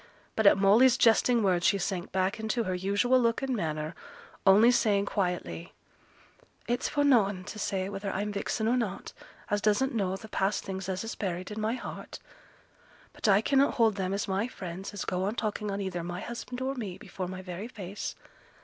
But at Molly's jesting words she sank back into her usual look and manner, only saying quietly, 'It's for noane to say whether I'm vixen or not, as doesn't know th' past things as is buried in my heart. But I cannot hold them as my friends as go on talking on either my husband or me before my very face.